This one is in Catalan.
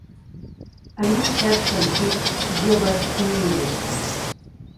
En un cert sentit, joves nihilistes.